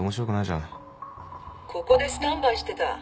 「ここでスタンバイしてた。